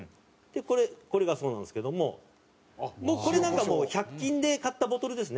でこれこれがそうなんですけどもこれなんかもう１００均で買ったボトルですね。